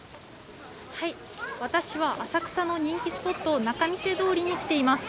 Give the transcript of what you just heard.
私は浅草の人気スポット、仲見世通りに来ています。